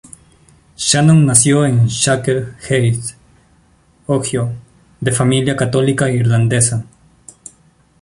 Shannon nació en Shaker Heights, Ohio, de familia católica irlandesa.